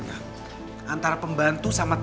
entar pembantu sampe pembantu sampe stations